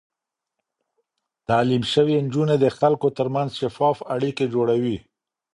تعليم شوې نجونې د خلکو ترمنځ شفاف اړيکې جوړوي.